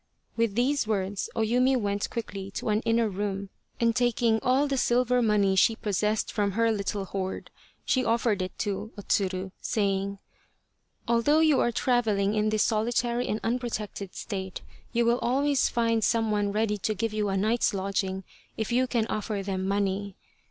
With these words O Yumi went quickly to an inner room, and taking all the silver money she possessed from her little hoard she offered it to O Tsuru, saying :" Although you are travelling in this solitary and unprotected state you will always find some one ready to give you a night's lodging if you can offer them money.